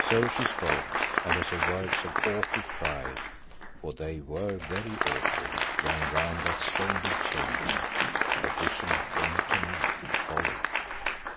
So she spoke, and as her words of awful pride for they were very awful rang round that stone built chamber, a vision came to me Holly.